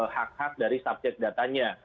hak hak dari subjek datanya